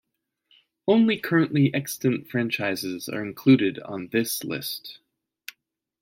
Only currently extant franchises are included on this list.